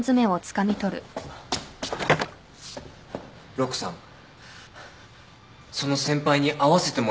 陸さんその先輩に会わせてもらえませんか？